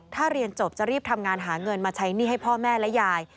ถ้าเรียนจบจะรีบทำงานหาเงินมาใช้หนี้ให้พ่อแม่และยาย